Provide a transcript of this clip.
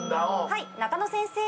はい中野先生。